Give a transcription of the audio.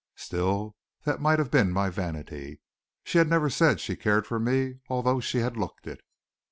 Still that might have been my vanity. She had never said she cared for me although she had looked it.